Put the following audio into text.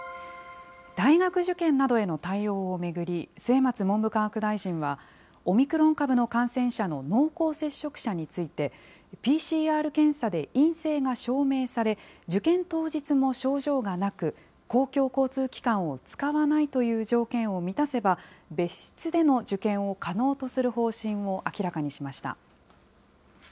大学受験などへの対応を巡り、末松文部科学大臣は、オミクロン株の感染者の濃厚接触者について、ＰＣＲ検査で陰性が証明され、受験当日も症状がなく、公共交通機関を使わないという条件を満たせば、別室での受験を可能とする方針を明らかにしました。